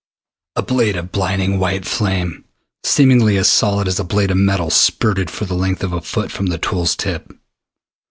A blade of blinding white flame, seemingly as solid as a blade of metal, spurted for the length of a foot from the tool's tip.